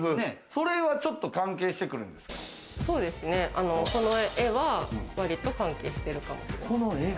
それは、ちょっと関係してくるんそうですね、この絵は割と関係しているかも。